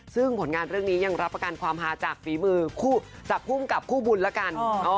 ซึ่งผลงานเรื่องนี้ยังรับประกันความฮาจากฝีมือจากภูมิกับคู่บุญละกัน